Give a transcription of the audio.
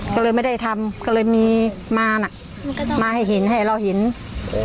ก็เลยไม่ได้ทำก็เลยมีมาน่ะมาให้เห็นให้เราเห็นโอ้